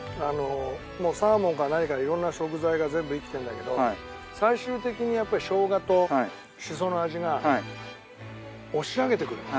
サーモンから何から色んな食材が全部生きてるんだけど最終的にやっぱりしょうがとしその味が押し上げてくる。